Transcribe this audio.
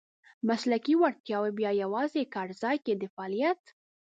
مسلکي وړتیاوې بیا یوازې کارځای کې د فعالیت .